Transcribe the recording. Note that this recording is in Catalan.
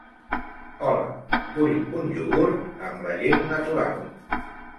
Hola, vull un iogurt, amb la llet natural.